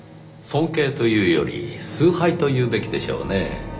尊敬というより崇拝というべきでしょうねぇ。